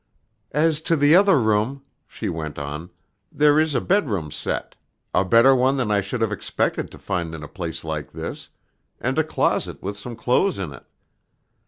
"As to the other room," she went on, "there is a bedroom set, a better one than I should have expected to find in a place like this, and a closet with some clothes in it.